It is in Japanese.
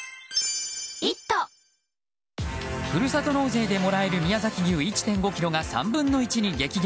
ふるさと納税でもらえる宮崎牛１．５ｋｇが３分の１に激減。